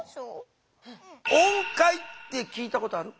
「音階」ってきいたことある？